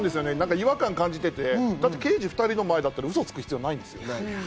違和感を感じていて刑事２人の前だと嘘をつく必要ないんですよ。